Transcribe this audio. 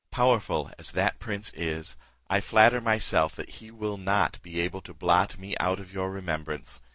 Powerful as that prince is, I flatter myself he will not be able to blot me out of your remembrance.